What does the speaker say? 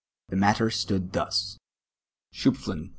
The matter stood thus: — Schopflin.